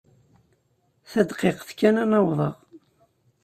Tadqiqt kan ad n-awḍeɣ.